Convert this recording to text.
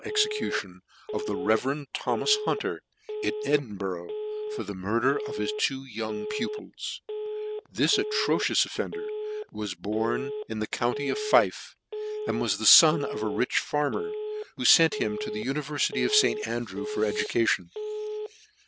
Ex ecution of the REV. THOMAS HUNTER, in Edinburgh, for the Murder of two of his youn* Pu pils. TH I S atrocious offender was born in the county of Fife, and was the fon of a rich farmer, who fent him to the Univerlity of" St. Andrew 3 o NEW NEWGATE CALENDAR. Andrew for education.